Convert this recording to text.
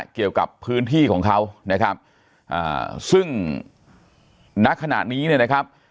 เกี่ยวกับพื้นที่ของเขานะครับอ่าซึ่งณขณะนี้เนี่ยนะครับ